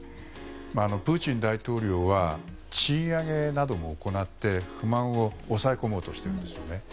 プーチン大統領は賃上げなども行って不満を抑え込もうとしてるんですよね。